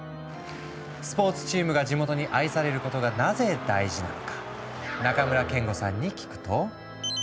スポーツチームが地元に愛されることがなぜ大事なのか中村憲剛さんに聞くと。